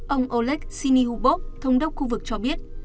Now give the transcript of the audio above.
ông oleg sinihubov thông đốc khu vực cho biết